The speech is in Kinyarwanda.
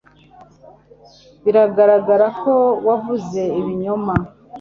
Biragaragara ko wavuze ibinyoma.